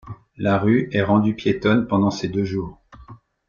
La rue est rendue piétonne pendant ces deux jours.